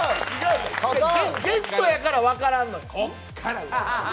ゲストやから分からんのよ。